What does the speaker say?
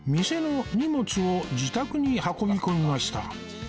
店の荷物を自宅に運び込みました